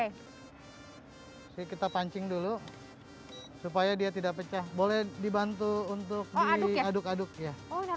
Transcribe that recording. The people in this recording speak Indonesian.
bike a haicik kita pancing dulu supaya dia tidak pecah boleh dibantu untuk meanduin aduk aduk ya